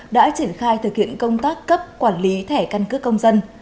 đã triển khai thực hiện công tác cấp quản lý thẻ căn cước công dân